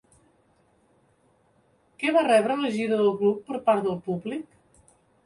Què va rebre la gira del grup per part del públic?